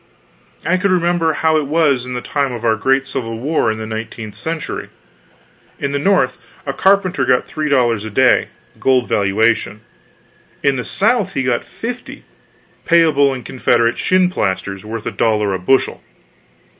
I could remember how it was in the time of our great civil war in the nineteenth century. In the North a carpenter got three dollars a day, gold valuation; in the South he got fifty payable in Confederate shinplasters worth a dollar a bushel.